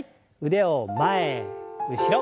腕を前後ろ。